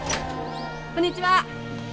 こんにちは。